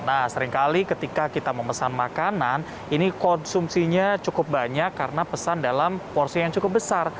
nah seringkali ketika kita memesan makanan ini konsumsinya cukup banyak karena pesan dalam porsi yang cukup besar